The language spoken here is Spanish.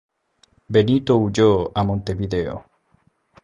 Benito huyó a Montevideo.